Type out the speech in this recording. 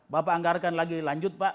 bapak anggarkan lagi lanjut pak